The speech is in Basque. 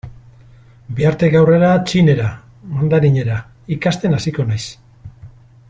Bihartik aurrera txinera, mandarinera, ikasten hasiko naiz.